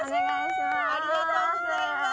ありがとうございます！